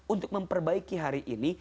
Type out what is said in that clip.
untuk memperbaiki hari ini